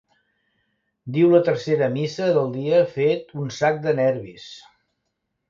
Diu la tercera missa del dia fet un sac de nervis.